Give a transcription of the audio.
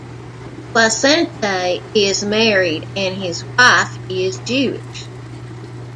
Placente is married and his wife is Jewish.